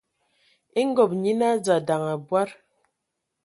E ngob nyina dza ndaŋ abɔad.